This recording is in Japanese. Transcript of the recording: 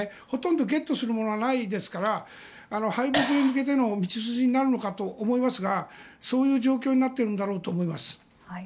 ほとんどゲットするものはないですから解決に向けての道筋になるのかと思いますがそういう状況になっているんだろうと思います。